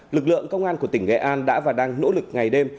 lực lượng công an của tỉnh nghệ an đã và đang nỗ lực ngày đêm